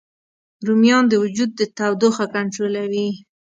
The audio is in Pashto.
رومیان د وجود تودوخه کنټرولوي